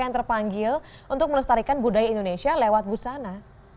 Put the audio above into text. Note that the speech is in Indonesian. yang terpanggil untuk melestarikan budaya indonesia lewat busana